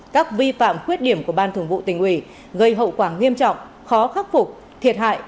các vi phạm khuyết điểm của ban thường vụ tỉnh ủy gây hậu quả nghiêm trọng khó khắc phục thiệt hại